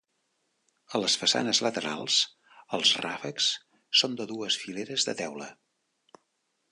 A les façanes laterals, els ràfecs són de dues fileres de teula.